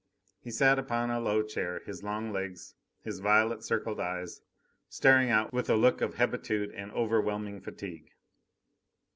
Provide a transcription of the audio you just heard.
He sat upon a low chair, his long legs, his violet circled eyes staring out with a look of hebetude and overwhelming fatigue.